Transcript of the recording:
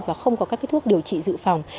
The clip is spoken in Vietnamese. và không có các thuốc điều trị dự phòng